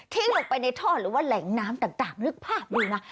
ลงไปในท่อหรือว่าแหล่งน้ำต่างนึกภาพดูนะ